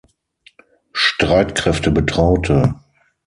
Streitkräfte, betraute.